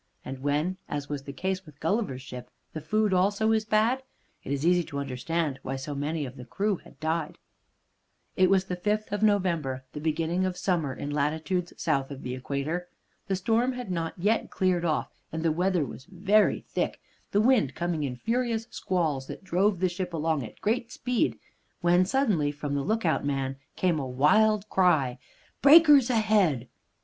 And when, as was the case with Gulliver's ship, the food also is bad, it is easy to understand why so many of the crew had died. It was on the 5th of November, the beginning of summer in latitudes south of the equator. The storm had not yet cleared off, and the weather was very thick, the wind coming in furious squalls that drove the ship along at great speed, when suddenly from the lookout man came a wild cry "Breakers ahead!"